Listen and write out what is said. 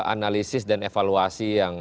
perlu analisis dan evaluasi yang baik